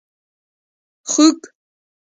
🐖 خوګ